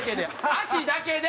足だけで！